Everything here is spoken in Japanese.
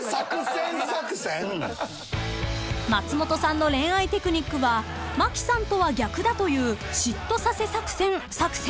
［松本さんの恋愛テクニックは真木さんとは逆だという「嫉妬させ作戦作戦」